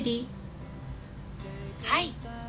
はい。